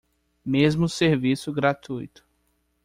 Mesmo serviço gratuito